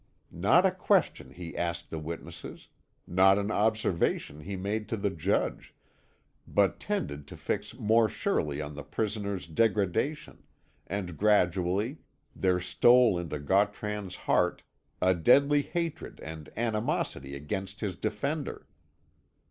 Not a question he asked the witnesses, not an observation he made to the judge, but tended to fix more surely the prisoner's degradation, and gradually there stole into Gautran's heart a deadly hatred and animosity against his defender.